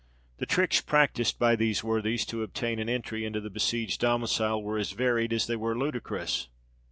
The tricks practised by these worthies to obtain an entry into the besieged domicile, were as varied as they were ludicrous.